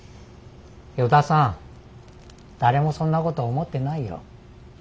依田さん誰もそんなこと思ってないよ。